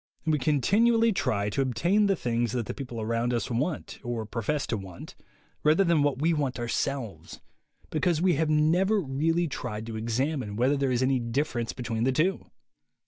We continually try to obtain the things that the people around us want or profess to want, rather than what we want ourselves, because we THE WAY TO WILL POWER 43 have never really tried to examine whether there is any difference between the two.